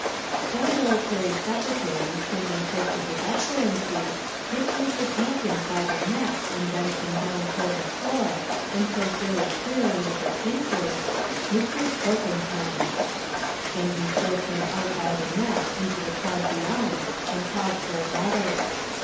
Then a military secretary, standing close to His Excellency, takes Mr. Tomkins by the neck and bends him down toward the floor and says very clearly and distinctly, "Mr. Torpentine." Then he throws him out by the neck into the crowd beyond and calls for another.